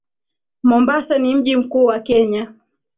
Mombasa ni mji mkuu wa Kenya